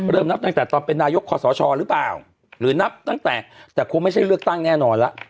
นับตั้งแต่ตอนเป็นนายกคอสชหรือเปล่าหรือนับตั้งแต่แต่คงไม่ใช่เลือกตั้งแน่นอนแล้ว